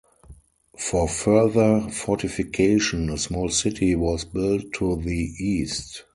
For further fortification, a small city was built to the east.